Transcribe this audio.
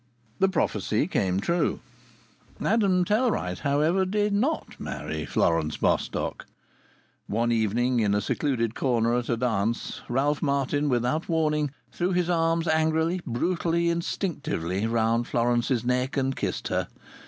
This prophecy came true. Adam Tellwright, however, did not marry Florence Bostock. One evening, in a secluded corner at a dance, Ralph Martin, without warning, threw his arms angrily, brutally, instinctively round Florence's neck and kissed her.